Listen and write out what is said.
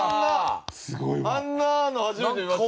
あんなの初めて見ましたね。